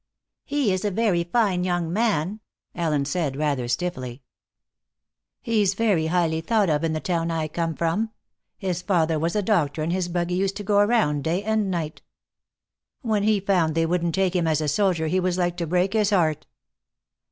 "He is a very fine young man," Ellen said rather stiffly. "He's very highly thought of in the town I come from. His father was a doctor, and his buggy used to go around day, and night. When he found they wouldn't take him as a soldier he was like to break his heart."